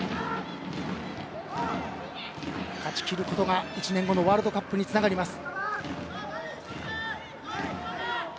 勝ち切ることが１年後のワールドカップにつながります。